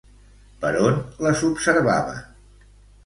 Per on les observaven?